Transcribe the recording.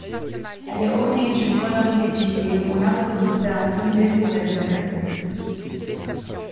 Elle est ornée d'une colonne dédiée aux Napolitains tombés pour la liberté.